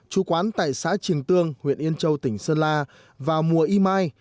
chú quán tại xã trường tương huyện yên châu tỉnh sơn la vào mùa y mai